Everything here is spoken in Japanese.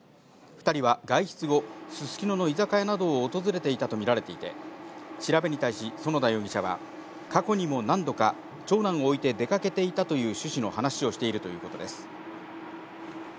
２人は外出後、すすきのの居酒屋などを訪れていたと見られていて、調べに対し、其田容疑者は、過去にも何度か長男を置いて出かけていたという趣旨の話をしているということです。